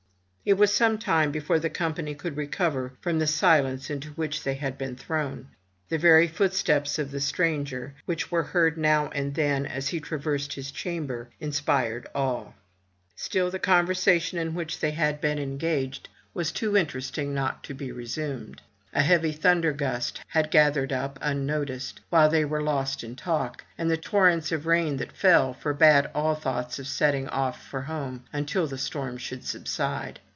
It was some time before the company could recover from the silence into which they had been thrown. The very footsteps of the stranger, which were heard now and then as he traversed his chamber, inspired awe. Still the conversation in which they had been engaged was 124 FROM THE TOWER WINDOW too interesting not to be resumed. A heavy thunder gust had gathered up unnoticed, while they were lost in talk, and the torrents of rain that fell forbade all thoughts of setting off for home until the storm should subside.